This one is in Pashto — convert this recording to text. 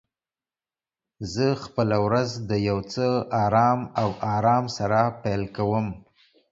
زه خپل ورځ د یو څه آرام او آرام سره پیل کوم.